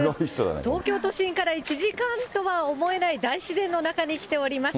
東京都心から１時間とは思えない大自然の中に来ております。